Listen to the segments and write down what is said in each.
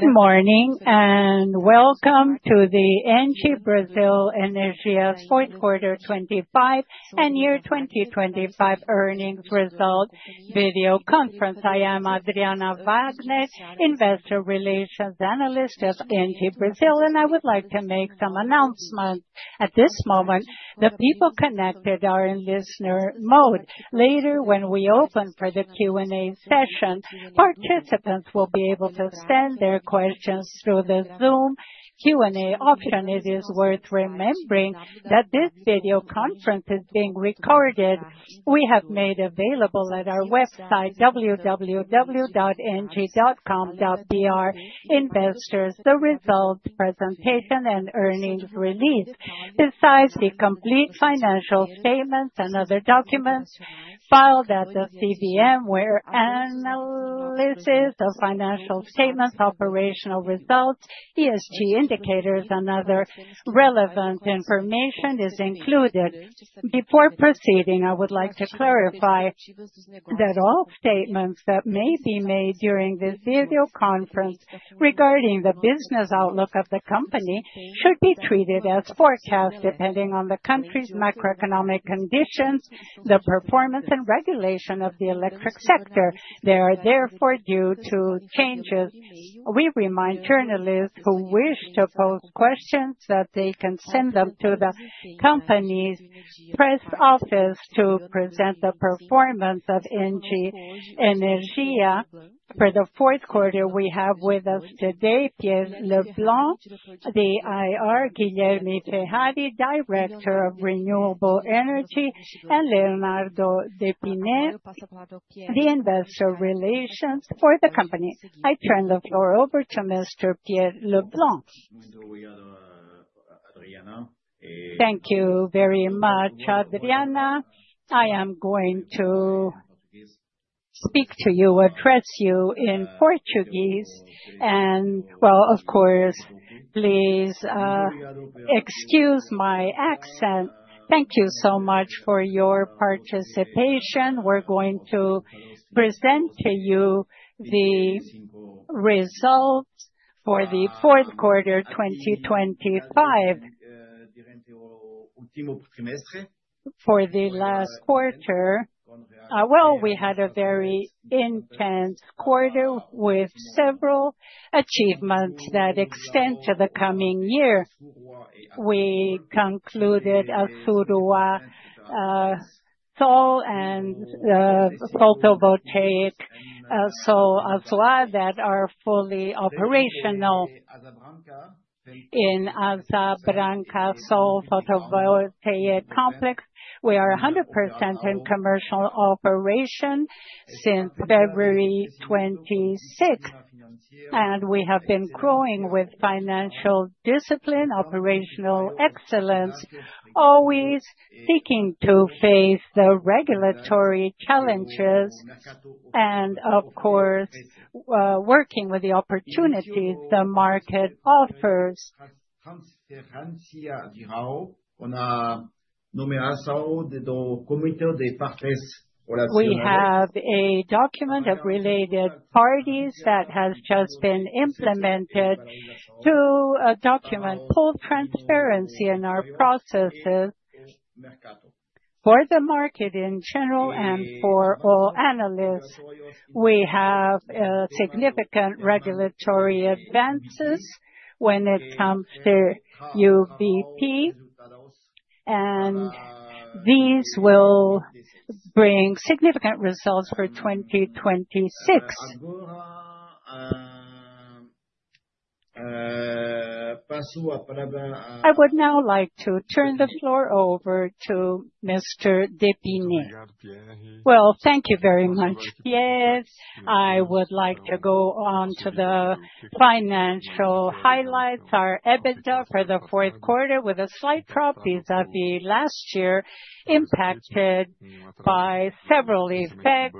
Good morning, welcome to the ENGIE Brasil Energia's Q4 2025 and year 2025 earnings result video conference. I am Adriana Wagner, Investor Relations Analyst of ENGIE Brasil, and I would like to make some announcements. At this moment, the people connected are in listener mode. Later, when we open for the Q&A session, participants will be able to send their questions through the Zoom Q&A option. It is worth remembering that this video conference is being recorded. We have made available at our website, www.engie.com.br, investors the results, presentation and earnings release. Besides the complete financial statements and other documents filed at the CVM, where analysis of financial statements, operational results, ESG indicators, and other relevant information is included. Before proceeding, I would like to clarify that all statements that may be made during this video conference regarding the business outlook of the company, should be treated as forecast, depending on the country's macroeconomic conditions, the performance and regulation of the electric sector. They are therefore due to changes. We remind journalists who wish to pose questions, that they can send them to the company's press office to present the performance of ENGIE Brasil Energia. For the Q4, we have with us today, Pierre Leblanc, the IR, Guilherme Ferrari, Director of Renewable Energy, and Leonardo Depine, the Investor Relations for the company. I turn the floor over to Mr. Pierre Leblanc. Thank you very much, Adriana Wagner. Well, of course, please, excuse my accent. Thank you so much for your participation. We're going to present to you the results for Q4 2025. For the last quarter, we had a very intense quarter with several achievements that extend to the coming year. We concluded Açu Sol and photovoltaic Sol Azuá, that are fully operational. In Asa Branca Sol photovoltaic complex, we are 100% in commercial operation since February 26th, and we have been growing with financial discipline, operational excellence, always seeking to face the regulatory challenges and of course, working with the opportunities the market offers. We have a document of related parties that has just been implemented to document full transparency in our processes. For the market in general and for all analysts, we have significant regulatory advances when it comes to UBP, and these will bring significant results for 2026. I would now like to turn the floor over to Mr. Depine. Thank you very much, Pierre. I would like to go on to the financial highlights. Our EBITDA for the Q4, with a slight drop vis-à-vis last year, impacted by several effects,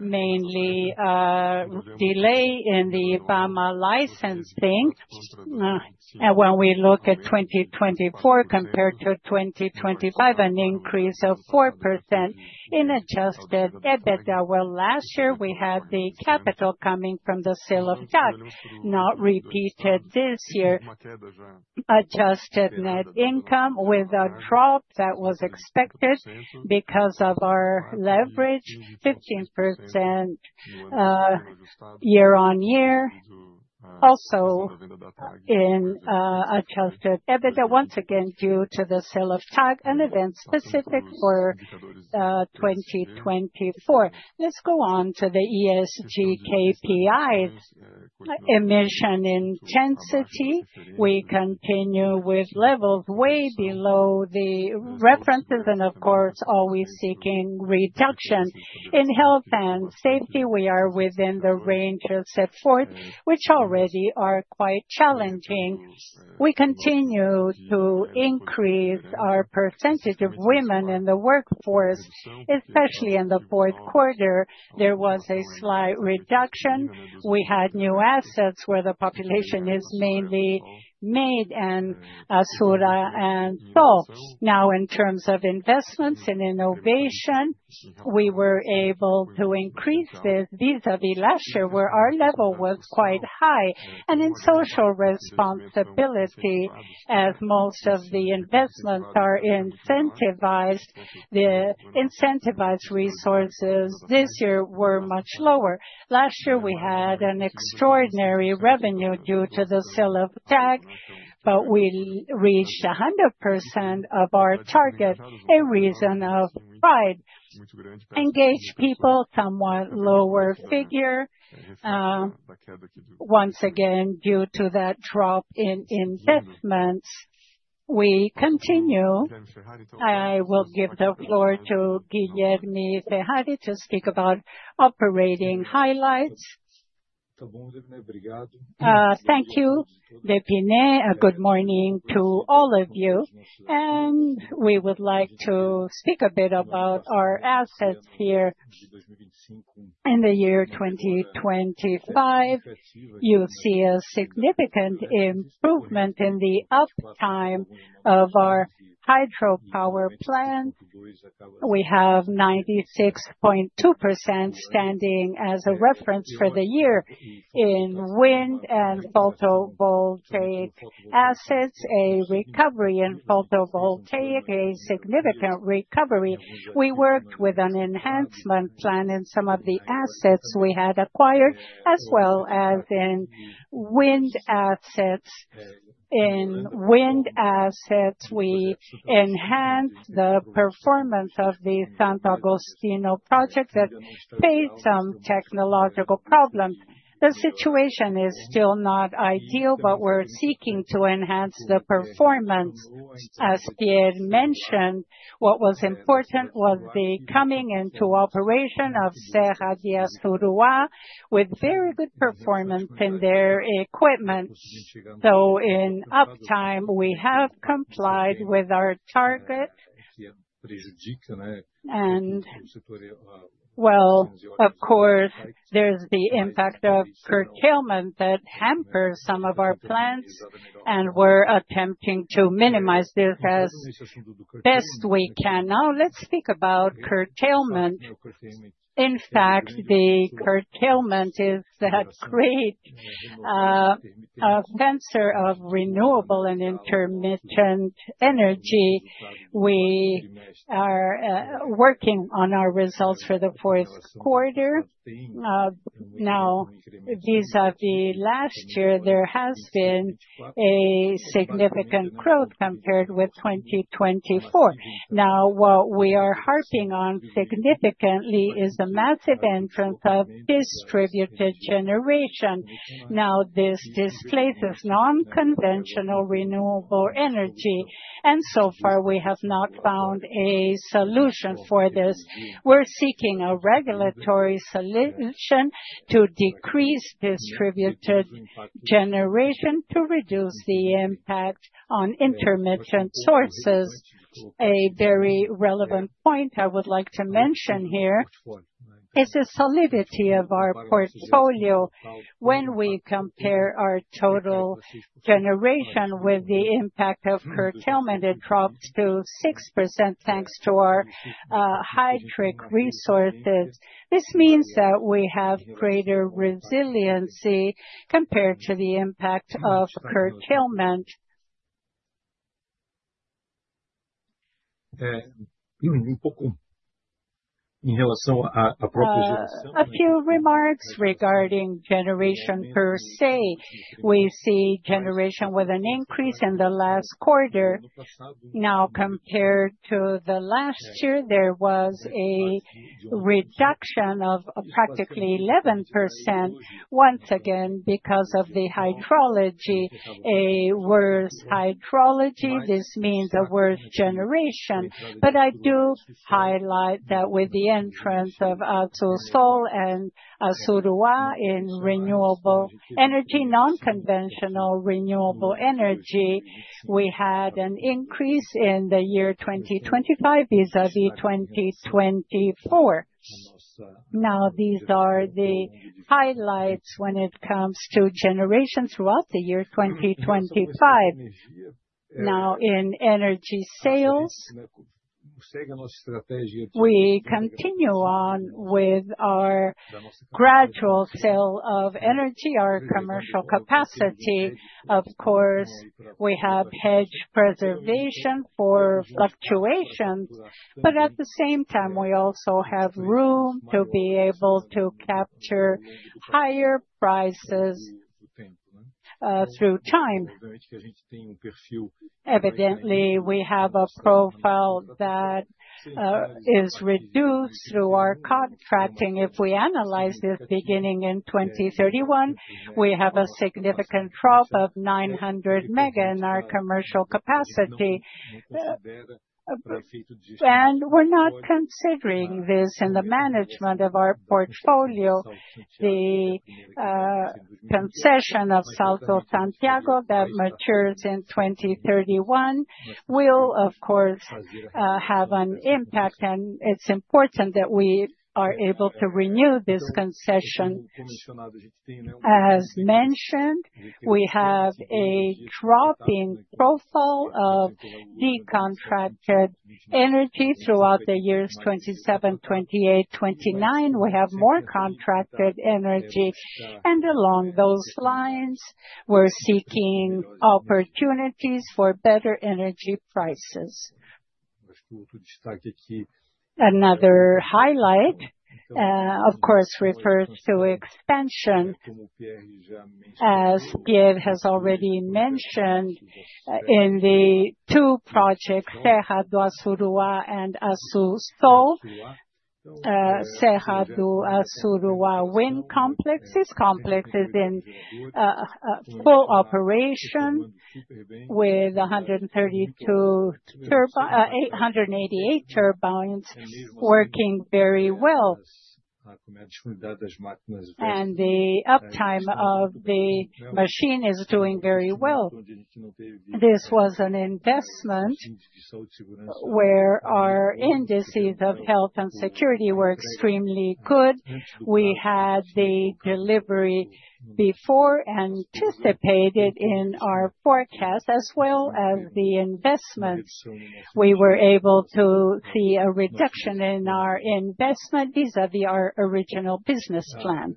mainly, delay in the Bahia licensing. When we look at 2024 compared to 2025, an increase of 4% in adjusted EBITDA. Last year, we had the capital coming from the sale of TAG, not repeated this year. Adjusted net income with a drop that was expected because of our leverage, 15% year-on-year. Also in adjusted EBITDA, once again, due to the sale of TAG, an event specific for 2024. Let's go on to the ESG KPI. Emission intensity, we continue with levels way below the references, and of course, always seeking reduction. In health and safety, we are within the ranges set forth, which already are quite challenging. We continue to increase our percentage of women in the workforce, especially in the Q4, there was a slight reduction. We had new assets where the population is mainly made in Assuruá and Sol. In terms of investments, in innovation, we were able to increase this vis-à-vis last year, where our level was quite high. In social responsibility, as most of the investments are incentivized, the incentivized resources this year were much lower. Last year, we had an extraordinary revenue due to the sale of TAG, but we reached 100% of our target, a reason of pride. Engaged people, somewhat lower figure, once again, due to that drop in investments. We continue. I will give the floor to Guilherme Ferrari, to speak about operating highlights. Thank you, Depine. A good morning to all of you. We would like to speak a bit about our assets here. In the year 2025, you'll see a significant improvement in the uptime of our hydropower plant. We have 96.2% standing as a reference for the year. In wind and photovoltaic assets, a recovery in photovoltaic, a significant recovery. We worked with an enhancement plan in some of the assets we had acquired, as well as in wind assets. In wind assets, we enhanced the performance of the Santo Agostinho project that faced some technological problems. The situation is still not ideal, but we're seeking to enhance the performance. As Pierre mentioned, what was important was the coming into operation of Serra do Assuruá, with very good performance in their equipment. In uptime, we have complied with our target. Well, of course, there's the impact of curtailment that hampers some of our plans, and we're attempting to minimize this as best we can. Let's speak about curtailment. In fact, the curtailment is that great fencer of renewable and intermittent energy. We are working on our results for the Q4. Vis-à-vis last year, there has been a significant growth compared with 2024. What we are harping on significantly is the massive entrance of distributed generation. This displaces non-conventional renewable energy, and so far we have not found a solution for this. We're seeking a regulatory solution to decrease distributed generation to reduce the impact on intermittent sources. A very relevant point I would like to mention here, is the solidity of our portfolio. When we compare our total generation with the impact of curtailment, it drops to 6%, thanks to our high trick resources. This means that we have greater resiliency compared to the impact of curtailment. A few remarks regarding generation per se. We see generation with an increase in the last quarter. Compared to the last year, there was a reduction of practically 11%, once again, because of the hydrology. A worse hydrology, this means a worse generation. I do highlight that with the entrance of Açu Sol and Assuruá in renewable energy, non-conventional renewable energy, we had an increase in the year 2025 vis-à-vis 2024. These are the highlights when it comes to generation throughout the year 2025. In energy sales, we continue on with our gradual sale of energy, our commercial capacity. Of course, we have hedge preservation for fluctuations, but at the same time, we also have room to be able to capture higher prices through time. Evidently, we have a profile that is reduced through our contracting. If we analyze this beginning in 2031, we have a significant drop of 900 MW in our commercial capacity. We're not considering this in the management of our portfolio. The concession of Salto Osório that matures in 2031, will, of course, have an impact, and it's important that we are able to renew this concession. As mentioned, we have a dropping profile of decontracted energy throughout the years 2027, 2028, 2029. We have more contracted energy, along those lines, we're seeking opportunities for better energy prices. Another highlight, of course, refers to expansion, as Pierre has already mentioned, in the two projects, Serra do Assuruá and Açu Sol. Serra do Assuruá Wind Complex. This complex is in full operation with 888 turbines working very well. The uptime of the machine is doing very well. This was an investment where our indices of health and security were extremely good. We had the delivery before anticipated in our forecast, as well as the investments. We were able to see a reduction in our investment vis-a-vis our original business plan.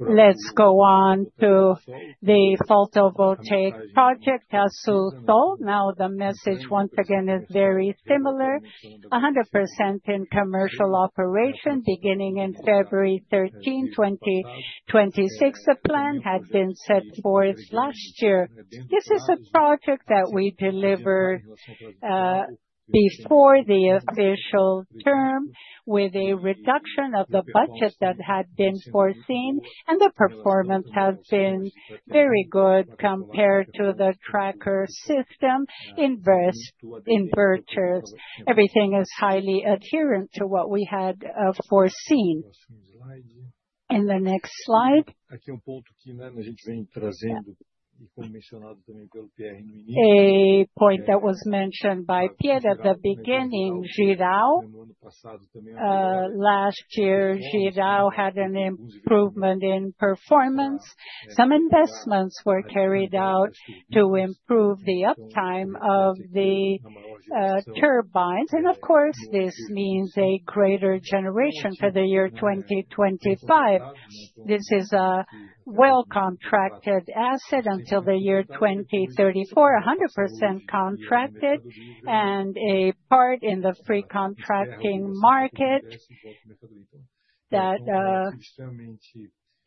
Let's go on to the photovoltaic project, Açu Sol. The message once again is very similar. 100% in commercial operation, beginning in February 13, 2026. The plan had been set forth last year. This is a project that we delivered before the official term, with a reduction of the budget that had been foreseen, and the performance has been very good compared to the tracker system, inverters. Everything is highly adherent to what we had foreseen. The next slide. A point that was mentioned by Pierre at the beginning, Jirau. Last year, Jirau had an improvement in performance. Some investments were carried out to improve the uptime of the turbines, and of course, this means a greater generation for the year 2025. This is a well-contracted asset until the year 2034, 100% contracted, and a part in the free contracting market that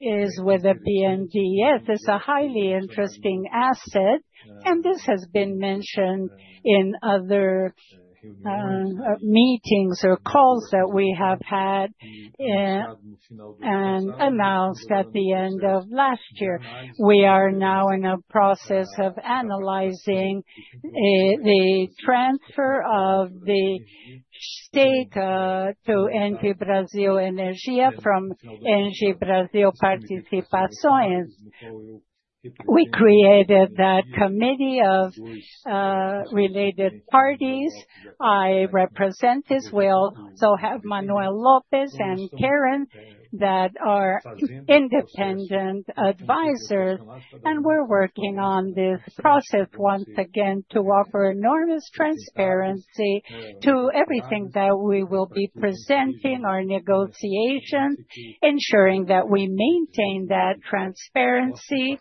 is with the PNGS, is a highly interesting asset, and this has been mentioned in other meetings or calls that we have had and announced at the end of last year. We are now in a process of analyzing the transfer of the stake to ENGIE Brasil Energia from ENGIE Brasil Participações. We created that committee of related parties. I represent this well, so have Manoel Lopes and Karen, that are independent advisors, and we're working on this process once again to offer enormous transparency to everything that we will be presenting, our negotiations, ensuring that we maintain that transparency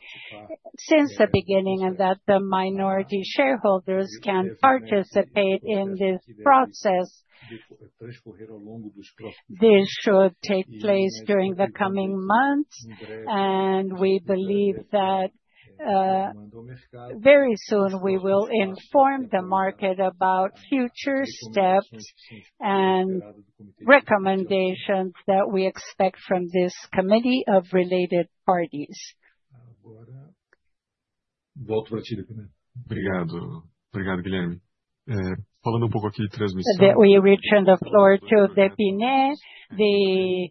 since the beginning, and that the minority shareholders can participate in this process. This should take place during the coming months. We believe that very soon we will inform the market about future steps and recommendations that we expect from this committee of related parties. We return the floor to Depine. The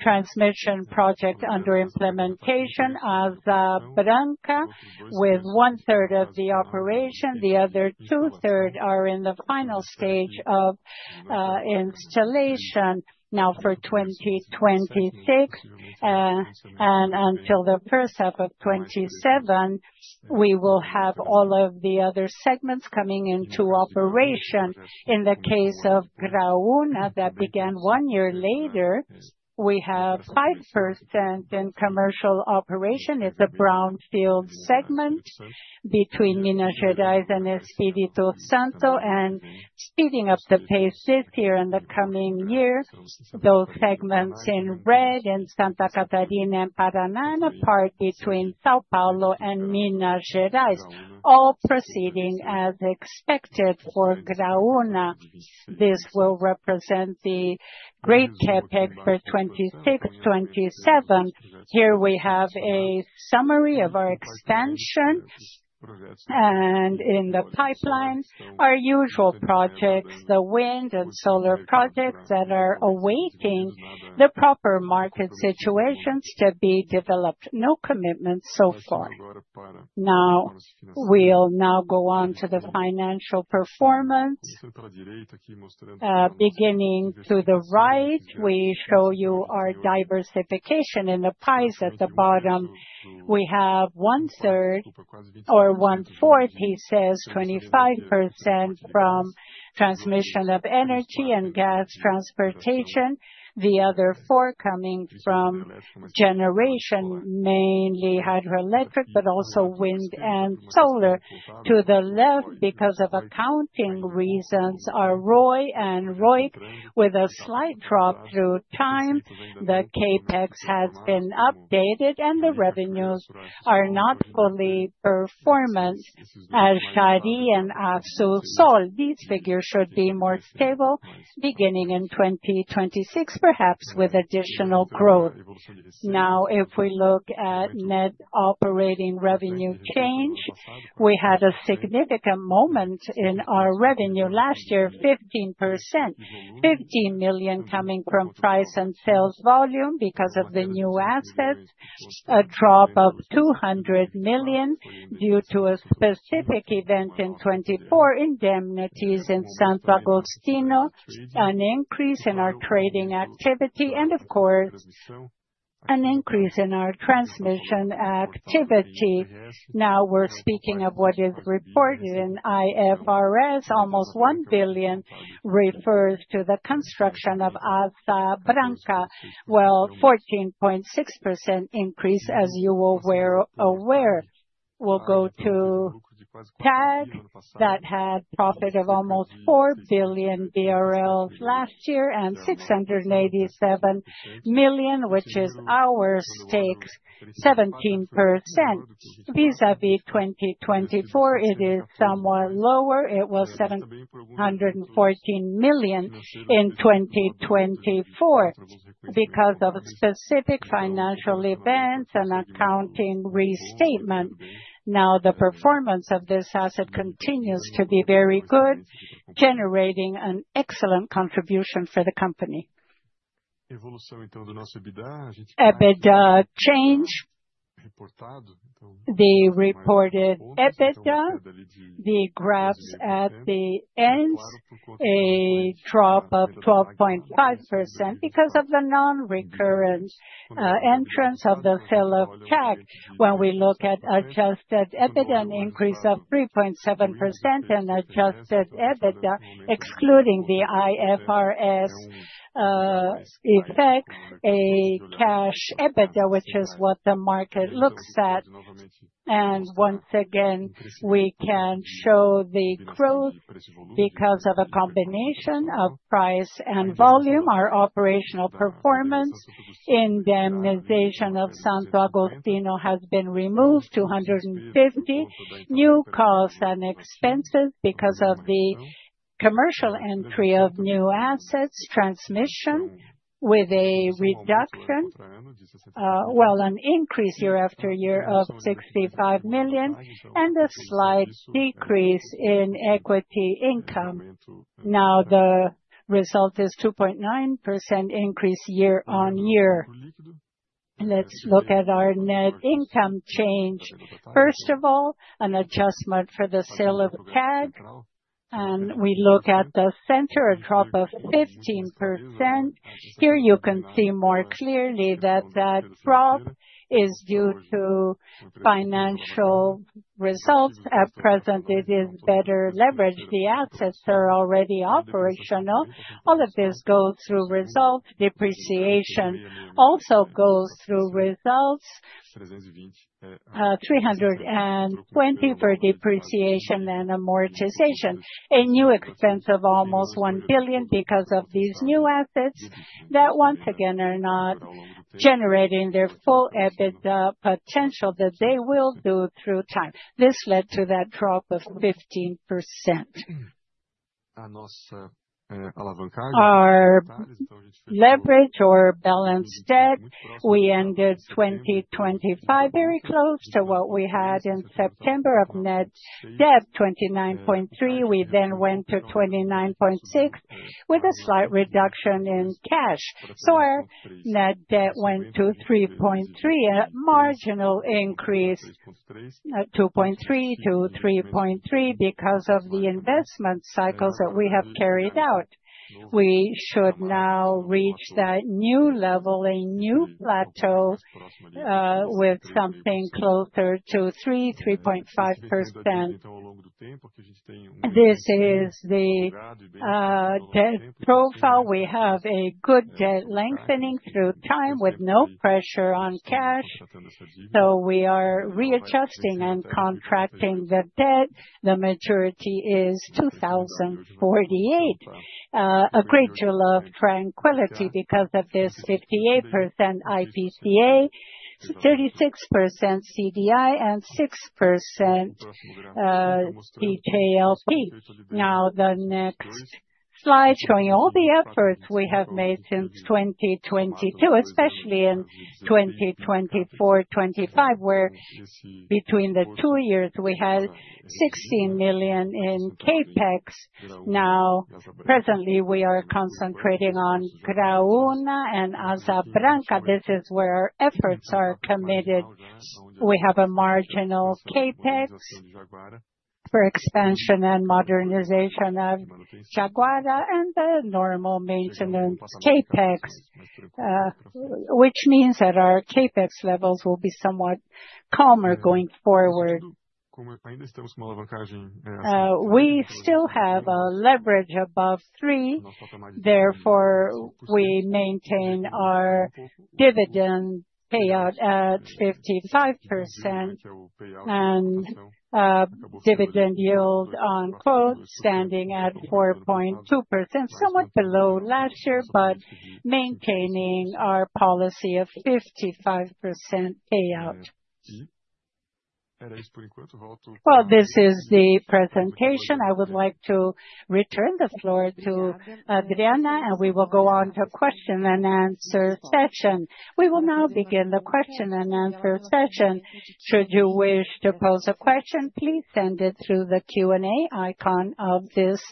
transmission project under implementation of Branca, with one third of the operation, the other two third are in the final stage of installation. Now for 2026, and until the first half of 2027, we will have all of the other segments coming into operation. In the case of Gralha Azul, that began 1 year later, we have 5% in commercial operation. It's a brownfield segment between Minas Gerais and Espírito Santo, speeding up the pace this year and the coming years, those segments in red in Santa Catarina and Paraná, part between São Paulo and Minas Gerais, all proceeding as expected for Gralha Azul. This will represent the great CapEx for 2026, 2027. Here we have a summary of our expansions, and in the pipelines, our usual projects, the wind and solar projects that are awaiting the proper market situations to be developed. No commitments so far. We'll now go on to the financial performance. Beginning to the right, we show you our diversification in the pies at the bottom. We have one third or one fourth, he says, 25% from transmission of energy and gas transportation, the other four coming from generation, mainly hydroelectric, but also wind and solar. To the left, because of accounting reasons, are ROI and ROIC, with a slight drop through time, the CapEx has been updated and the revenues are not fully performed. As Assuruá and Açu Sol, these figures should be more stable beginning in 2026, perhaps with additional growth. If we look at net operating revenue change, we had a significant moment in our revenue last year, 15%. 15 million coming from price and sales volume because of the new assets, a drop of 200 million due to a specific event in 2024, indemnities in Santo Agostinho, an increase in our trading activity and of course, an increase in our transmission activity. We're speaking of what is reported in IFRS. Almost 1 billion refers to the construction of Asa Branca, well, 14.6% increase, as you were aware. We'll go to TAG, that had profit of almost 4 billion BRL last year, and 687 million, which is our stake, 17%. Vis-a-vis 2024, it is somewhat lower. It was 714 million in 2024, because of specific financial events and accounting restatement. The performance of this asset continues to be very good, generating an excellent contribution for the company. EBITDA change, the reported EBITDA, the graphs at the ends, a drop of 12.5% because of the non-recurrent entrance of the sale of TAG. When we look at adjusted EBITDA, an increase of 3.7% and adjusted EBITDA, excluding the IFRS effect, a cash EBITDA, which is what the market looks at. Once again, we can show the growth because of a combination of price and volume, our operational performance, indemnization of Santo Agostinho has been removed, 250, new costs and expenses because of the commercial entry of new assets, transmission with a reduction, an increase year after year of 65 million, and a slight decrease in equity income. Now, the result is 2.9% increase year-on-year. Let's look at our net income change. First of all, an adjustment for the sale of TAG, and we look at the center, a drop of 15%. Here you can see more clearly that that drop is due to financial results. At present, it is better leverage. The assets are already operational. All of this goes through results. Depreciation also goes through results, 320 for depreciation and amortization. A new expense of almost 1 billion because of these new assets, that once again, are not generating their full EBITDA potential that they will do through time. This led to that drop of 15%. Our leverage or balance debt, we ended 2025 very close to what we had in September of net debt, 29.3. We then went to 29.6, with a slight reduction in cash. Our net debt went to 3.3, a marginal increase, 2.3 to 3.3, because of the investment cycles that we have carried out. We should now reach that new level, a new plateau, with something closer to 3% to 3.5%. This is the debt profile. We have a good debt lengthening through time with no pressure on cash, so we are readjusting and contracting the debt. The maturity is 2048, a great deal of tranquility because of this 58% IPCA, 36% CDI, and 6% DJLP. The next slide, showing all the efforts we have made since 2022, especially in 2024, 2025, where between the two years, we had 16 million in CapEx. Presently, we are concentrating on Graúna and Asa Branca. This is where efforts are committed. We have a marginal CapEx for expansion and modernization of Jaguara and the normal maintenance CapEx, which means that our CapEx levels will be somewhat calmer going forward. We still have a leverage above 3, therefore, we maintain our dividend payout at 55% and dividend yield on quote, standing at 4.2%, somewhat below last year, but maintaining our policy of 55% payout. This is the presentation. I would like to return the floor to Adriana, and we will go on to question and answer session. We will now begin the question and answer session. Should you wish to pose a question, please send it through the Q&A icon of this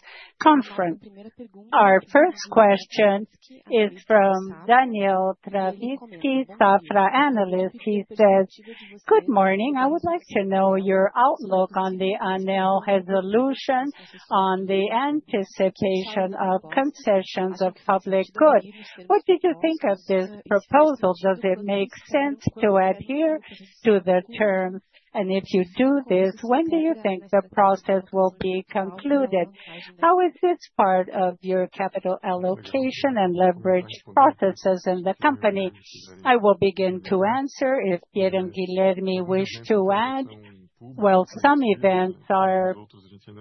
conference. Our first question is from Daniel Travitzky, Safra analyst. He says, "Good morning, I would like to know your outlook on the ANEEL resolution on the anticipation of concessions of public good. What did you think of this proposal? Does it make sense to adhere to the terms? If you do this, when do you think the process will be concluded? How is this part of your capital allocation and leverage processes in the company?" I will begin to answer if Pierre and Guilherme wish to add. Well, some events are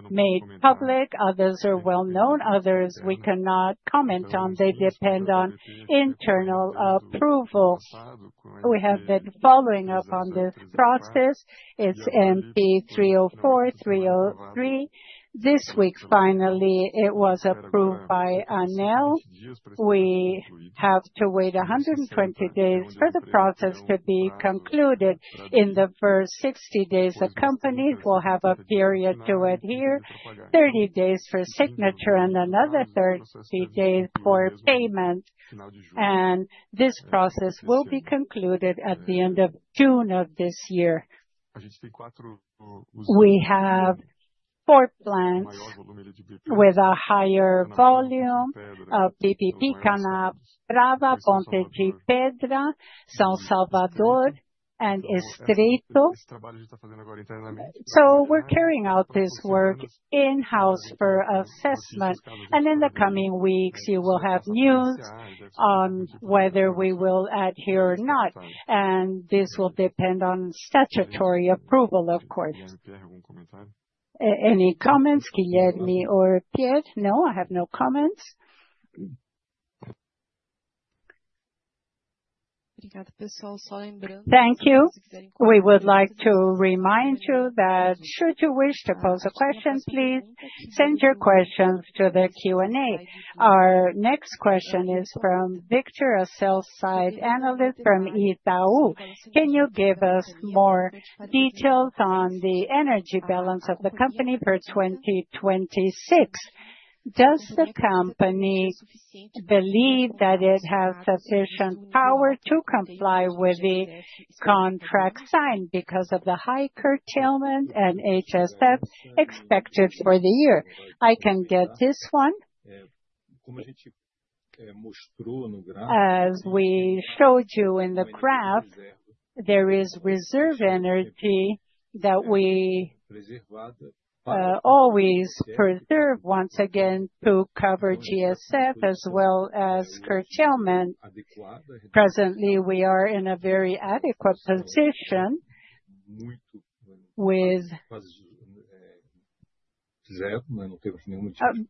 made public, others are well-known, others we cannot comment on. They depend on internal approvals. We have been following up on this process. It's MP 304, 303. This week, finally, it was approved by ANEEL. We have to wait 120 days for the process to be concluded. In the first 60 days, the companies will have a period to adhere, 30 days for signature, and another 30 days for payment, and this process will be concluded at the end of June of this year. We have four plants with a higher volume of UBP, Cana Brava, Ponte de Pedra, São Salvador, and Estreito. We're carrying out this work in-house for assessment, and in the coming weeks, you will have news on whether we will adhere or not, and this will depend on statutory approval, of course. Any comments, Guilherme or Pierre? No, I have no comments. Thank you. We would like to remind you that should you wish to pose a question, please send your questions to the Q&A. Our next question is from Victor, a sell-side analyst from Itaú. Can you give us more details on the energy balance of the company for 2026? Does the company believe that it has sufficient power to comply with the contract signed because of the high curtailment and HSF expected for the year? I can get this one. As we showed you in the graph, there is reserve energy that we always preserve, once again, to cover GSF as well as curtailment. Presently, we are in a very adequate position with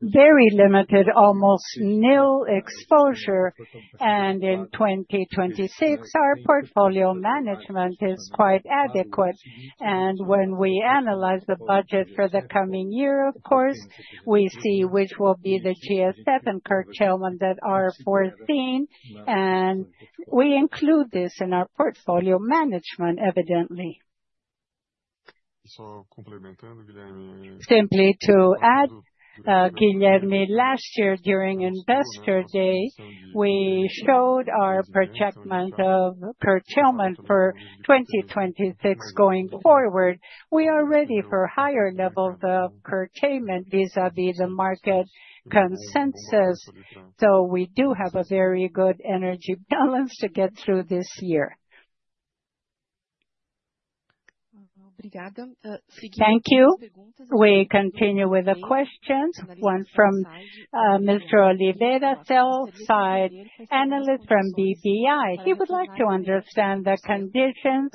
very limited, almost nil exposure, and in 2026, our portfolio management is quite adequate. When we analyze the budget for the coming year, of course, we see which will be the GSF and curtailment that are foreseen, and we include this in our portfolio management, evidently. Simply to add, Guilherme, last year, during Investor Day, we showed our projection of curtailment for 2026 going forward. We are ready for higher levels of curtailment vis-a-vis the market consensus. We do have a very good energy balance to get through this year. Thank you. We continue with the questions, one from Mr. Oliveira, sell-side analyst from BBI. He would like to understand the conditions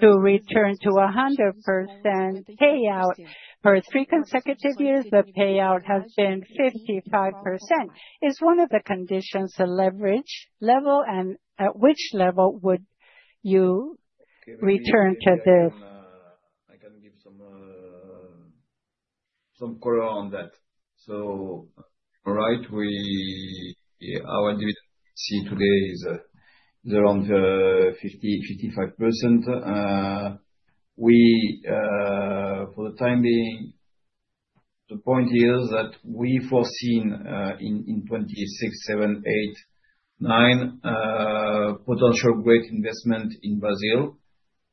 to return to a 100% payout. For 3 consecutive years, the payout has been 55%. Is one of the conditions a leverage level, and at which level would you return to this? I can give some color on that. Right, our dividend policy today is around 50%, 55%. We, for the time being. The point is that we foreseen in 2026, 2027, 2028, 2029 potential great investment in Brazil,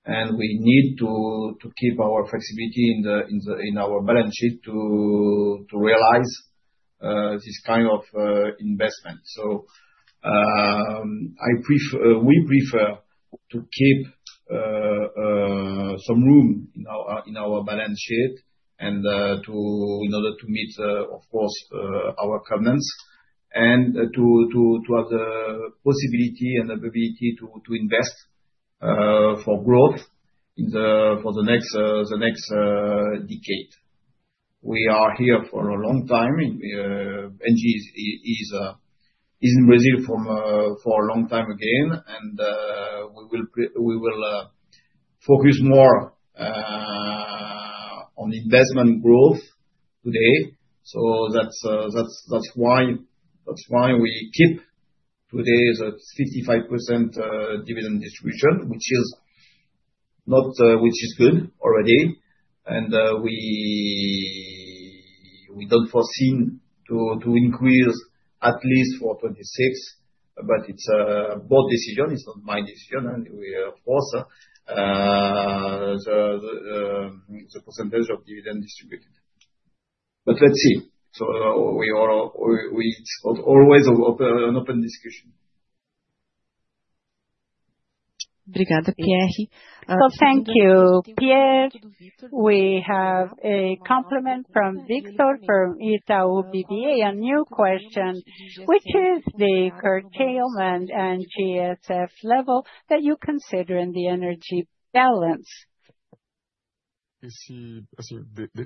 and we need to keep our flexibility in our balance sheet to realize this kind of investment. We prefer to keep some room in our balance sheet and to in order to meet of course our covenants, and to have the possibility and ability to invest for growth for the next decade. We are here for a long time, and ENGIE is in Brazil for a long time again, and we will focus more on investment growth today. That's why we keep today the 55%, dividend distribution, which is not, which is good already. We don't foreseen to increase at least for 2026, but it's a board decision, it's not my decision, and we, force, the percentage of dividend distributed. Let's see. We are, we it's always an open discussion. Thank you, Pierre. We have a compliment from Victor, from Itaú BBA. A new question. Which is the curtailment and GSF level that you consider in the energy balance? Well, this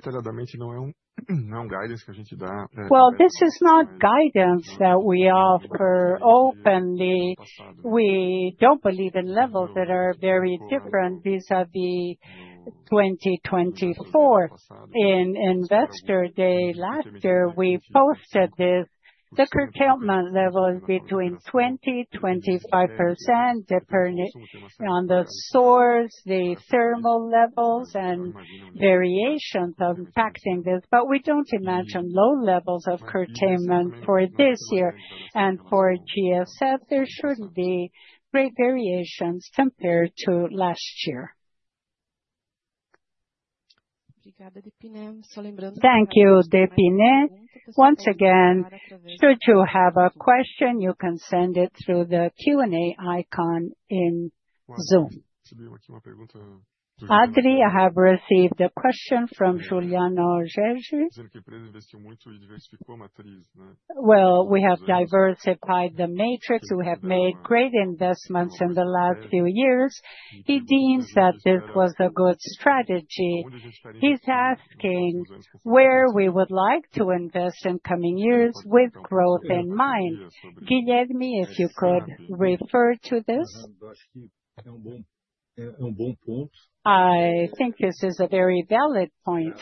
is not guidance that we offer openly. We don't believe in levels that are very different vis-à-vis 2024. In Investor Day last year, we posted this. The curtailment level is between 20%-25%, depending on the source, the thermal levels and variations of impacting this, but we don't imagine low levels of curtailment for this year. For GSF, there shouldn't be great variations compared to last year. Thank you, Depine. Once again, should you have a question, you can send it through the Q&A icon in Zoom. Adri, I have received a question from Juliano Torri. Well, we have diversified the matrix. We have made great investments in the last few years. He deems that this was a good strategy. He's asking, where we would like to invest in coming years with growth in mind? Guilherme, if you could refer to this. I think this is a very valid point.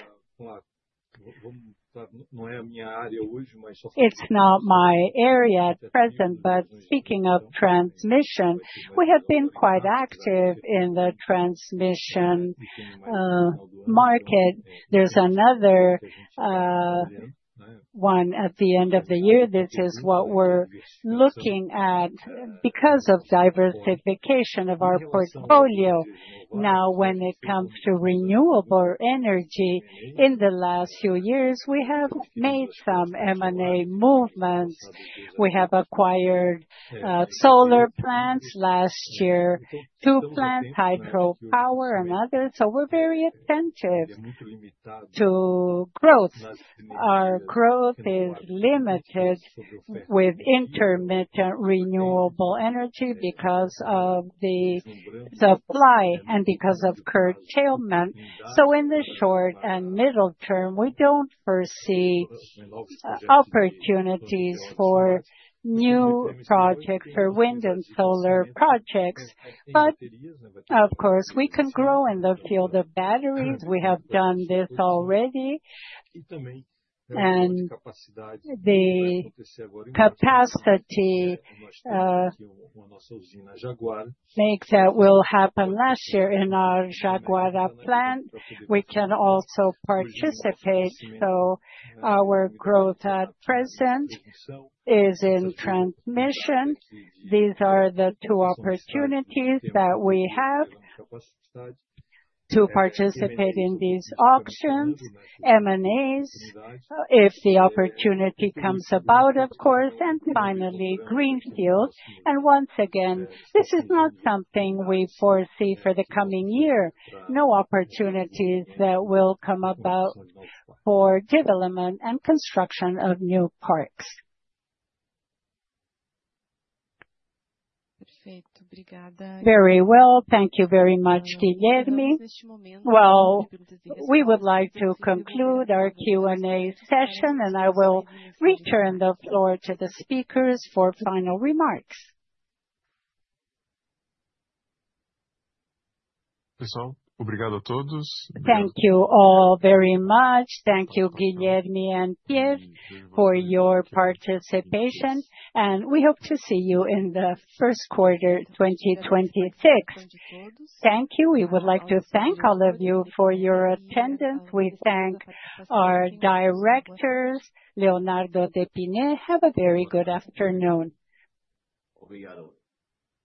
It's not my area at present, but speaking of transmission, we have been quite active in the transmission market. There's another one at the end of the year. This is what we're looking at because of diversification of our portfolio. Now, when it comes to renewable energy, in the last few years, we have made some M&A movements. We have acquired solar plants last year, two plant, hydropower and others, so we're very attentive to growth. Our growth is limited with intermittent renewable energy because of the supply and because of curtailment. In the short and middle term, we don't foresee opportunities for new projects, for wind and solar projects, but of course, we can grow in the field of batteries. We have done this already. And the capacity makes that will happen last year in our Jaguara plant, we can also participate. Our growth at present is in transmission. These are the two opportunities that we have to participate in these auctions, M&As, if the opportunity comes about, of course, and finally, green fields. Once again, this is not something we foresee for the coming year. No opportunities that will come about for development and construction of new parks. Very well. Thank you very much, Guilherme. We would like to conclude our Q&A session, and I will return the floor to the speakers for final remarks. Thank you all very much. Thank you, Guilherme and Pierre, for your participation. We hope to see you in the 1st quarter, 2026. Thank you. We would like to thank all of you for your attendance. We thank our directors, Leonardo Depine. Have a very good afternoon. Thank you.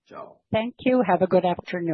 Ciao. Thank you. Have a good afternoon.